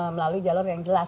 melalui jalur yang jelas